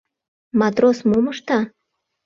Матрос мом ышта?